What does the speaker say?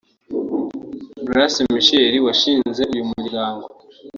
Graca Machel washinze uyu muryango